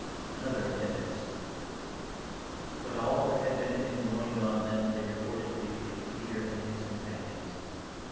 ] ANOTHER APPENDIX. [But all that had been enjoined on them they reported briefly to Peter and his companions.